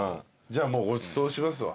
じゃあもうごちそうしますわ。